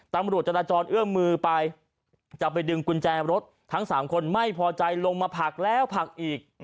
ตำรวจจราจรเอื้อมมือไปจะไปดึงกุญแจรถทั้ง๓คนไม่พอใจลงมาผลักแล้วผักอีก